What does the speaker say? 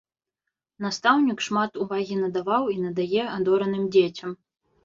Настаўнік шмат увагі надаваў і надае адораным дзецям.